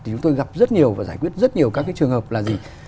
thì chúng tôi gặp rất nhiều và giải quyết rất nhiều các trường hợp là gì